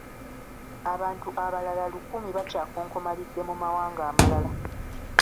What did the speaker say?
Abantu abalala lukumi bakyakonkomalidde mu mawanga amalala.